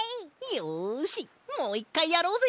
よしもういっかいやろうぜ！